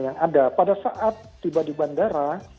yang ada pada saat tiba di bandara